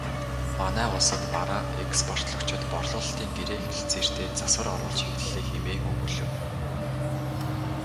Манай улсад бараа экспортлогчид борлуулалтын гэрээ хэлэлцээртээ засвар оруулж эхэллээ хэмээн өгүүлэв.